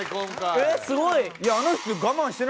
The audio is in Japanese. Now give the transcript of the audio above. えっすごい！